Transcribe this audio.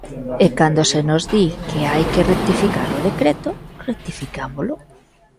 E cando se nos di que hai que rectificar o decreto, rectificámolo.